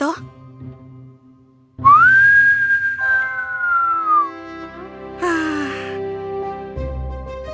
doakan aku beruntung ya vito